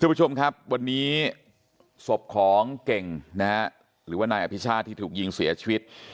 คุณผู้ชมครับวันนี้ศพของเก่งนะฮะหรือว่านายอภิชาติที่ถูกยิงเสียชีวิต